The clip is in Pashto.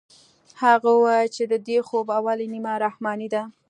هغه وويل چې د دې خوب اوله نيمه رحماني ده.